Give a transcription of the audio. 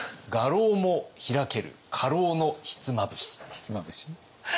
ひつまぶし？